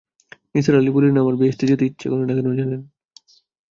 নিসার আলি বললেন, আমার বেহেশতে যেতে ইচ্ছা করে না কেন জানেন?